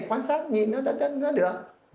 quan sát nhìn nó đất đất nữa được